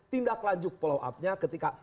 tindak lanjut follow up nya ketika